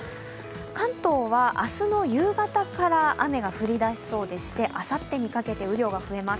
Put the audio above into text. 関東は、明日の夕方から雨が降り出しそうでしてあさってにかけて雨量が増えます。